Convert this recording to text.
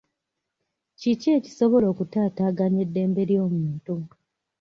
Kiki ekisobola okutaataaganya eddembe lyomuntu?